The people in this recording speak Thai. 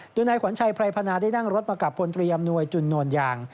ดูในขวัญชัยภรรยพณะได้นั่งรถมากับพลตรียำหน่วยจุลนวลยาง